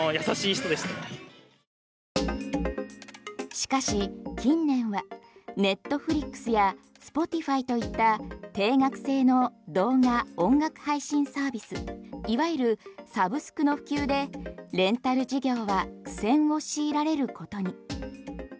しかし近年はネットフリックスやスポティファイといった定額制の動画・音楽配信サービスいわゆるサブスクの普及でレンタル事業は苦戦を強いられることに。